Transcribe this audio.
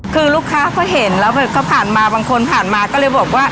คือลูกค้าเขาเห็นแล้วแบบเขาผ่านมาบางคนผ่านมาก็เลยบอกว่า